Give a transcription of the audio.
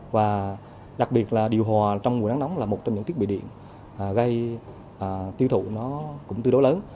và đặc biệt là điều hòa trong mùa nắng nóng là một trong những thiết bị điện gây tiêu thụ nó cũng tương đối lớn